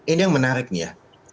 ini yang menarik nih ya